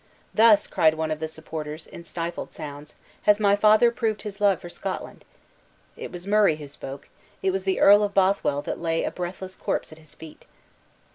"Thus," cried one of the supporters, in stifled sounds, "has my father proved his love for Scotland!" It was Murray who spoke; it was the Earl of Bothwell that lay a breathless corpse at his feet!